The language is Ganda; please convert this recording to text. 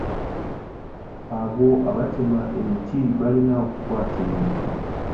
Abo abatema emiti balina okukwatibwa.